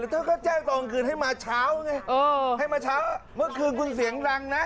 ถ้าเขาแจ้งตอนกลางคืนให้มาเช้าไงให้มาเช้าเมื่อคืนคุณเสียงดังนะ